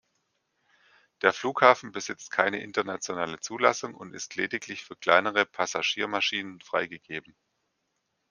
Der Flughafen besitzt keine internationale Zulassung und ist lediglich für kleinere Passagiermaschinen freigegeben.